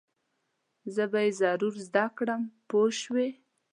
زه به یې ضرور زده کړم پوه شوې!.